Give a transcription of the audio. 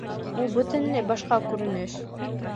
Ул бөтөнләй башҡа күренеш.